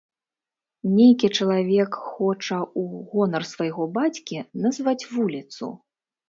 Нейкі чалавек хоча ў гонар свайго бацькі назваць вуліцу.